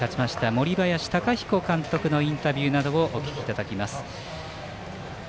森林貴彦監督のインタビューなどをお聞きいただきます。